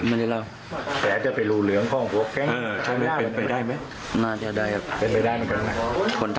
อาจจะไปรู้เหลืองข้องหัวแข็ง